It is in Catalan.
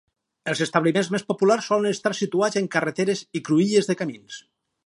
Els establiments més populars solen estar situats en carreteres i cruïlles de camins.